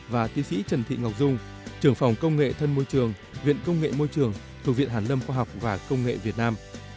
và tiến sĩ trần thị ngọc dung trưởng phòng công nghệ thân môi trường viện công nghệ môi trường thuộc viện hàn lâm khoa học và công nghệ việt nam